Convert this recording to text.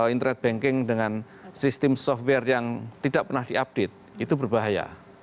internet banking dengan sistem software yang tidak pernah diupdate itu berbahaya